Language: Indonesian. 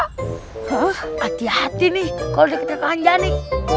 hati hati nih kalau diketahukan anjani